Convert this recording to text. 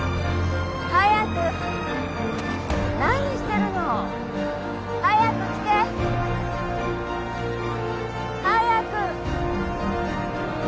早く何してるの早く来て！早く！